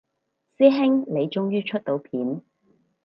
師兄你終於出到片